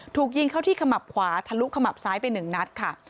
ถูกยิงเข้าที่ขมับขวาทะลุขมับซ้ายไป๑นัดค่ะ